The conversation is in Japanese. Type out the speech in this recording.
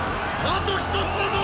あと一つだぞ！